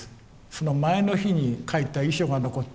その前の日に書いた遺書が残っています。